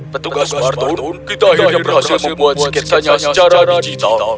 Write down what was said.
petugas spartun kita akhirnya berhasil membuat skitsanya secara digital